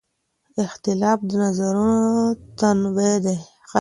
اختلاف د نظرونو تنوع ښيي.